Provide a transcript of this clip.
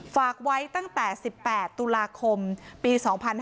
ฝากไว้ตั้งแต่๑๘ตุลาคมปี๒๕๕๙